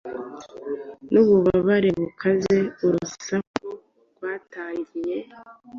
N'ububabare bukaze urusaku rwatangiye